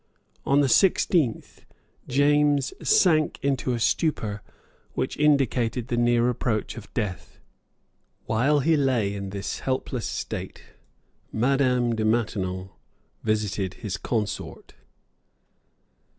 On the sixteenth James sank into a stupor which indicated the near approach of death. While he lay in this helpless state, Madame de Maintenon visited his consort.